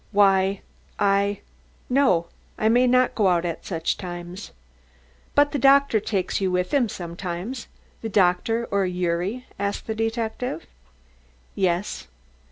"Why, I no, I may not go out at such times." "But the doctor takes you with him sometimes the doctor or Gyuri?" asked the detective. "Yes."